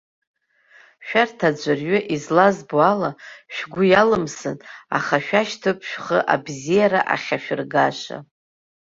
Шәарҭ аӡәырҩы, излазбо ала, шәгәы иалымсын, аха шәашьҭоуп шәхы абзиара ахьашәыргаша.